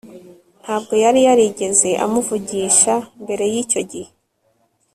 Ntabwo yari yarigeze amuvugisha mbere yicyo gihe